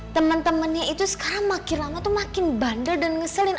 teman temannya itu sekarang makin lama tuh makin bandel dan ngeselin